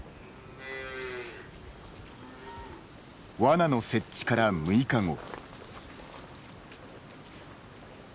ワナの設置から６日後。